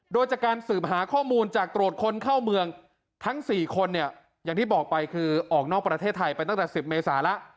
โดยจากการสืบหาข้อมูลจากตรวจคนเข้าเมืองทั้ง๔คนเนี่ยอย่างที่บอกไปคือออกนอกประเทศไทยไปตั้งแต่๑๐เมษาแล้ว